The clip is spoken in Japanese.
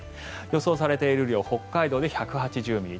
予想されている雨量北海道で１８０ミリ